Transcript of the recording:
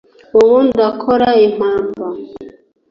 ubu ndakora impamba